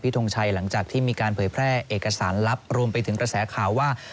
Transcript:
ทงชัยหลังจากที่มีการเผยแพร่เอกสารลับรวมไปถึงกระแสข่าวว่า